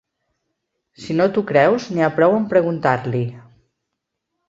Si no t'ho creus, n'hi ha prou amb preguntar-li.